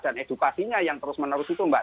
dan edukasinya yang terus menerus itu mbak